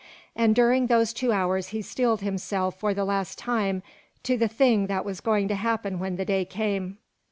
And during those two hours he steeled himself for the last time to the thing that was going to happen when the day came.